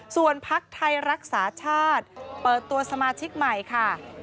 ส่วนพักไทยรักษาชาติเปิดตัวสมาชิกใหม่ค่ะ